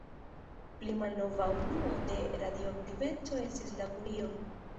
Pli malnova unuo de radioaktiveco estis la kurio.